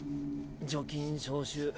除菌消臭。